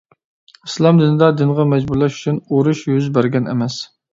ئىسلام دىنىدا دىنغا مەجبۇرلاش ئۈچۈن ئۇرۇش يۈز بەرگەن ئەمەس.